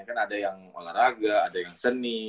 kan ada yang olahraga ada yang seni